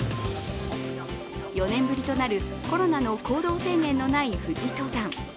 ４年ぶりとなる、コロナの行動制限のない、富士登山。